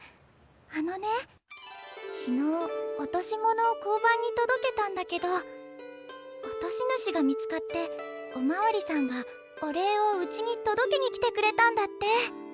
あのね昨日落とし物を交番に届けたんだけど落とし主が見つかっておまわりさんがお礼をうちに届けに来てくれたんだって。